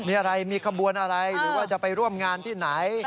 มีอะไรมีขบวนอะไรหรือว่าจะไปร่วมงานที่ไหน